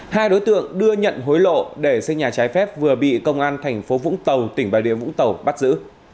hai đối tượng đưa nhận hối lộ để xây nhà trái phép vừa bị công an tp vũng tàu tỉnh bà địa vũng tàu bắt giữ